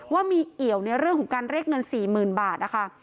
ว่ามีเหี่ยวในเรื่องของการเลขเงินสี่หมื่นบาทนะคะ